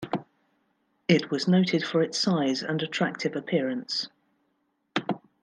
It was noted for its size and attractive appearance.